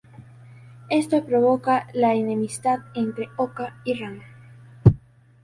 Esto provoca la enemistad entre Oka y Ran.